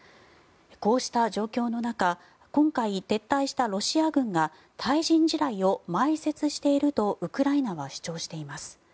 こうした状況の中今回撤退したロシア軍が対人地雷を埋設しているとウクライナは主張しています。